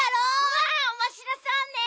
わあおもしろそうね。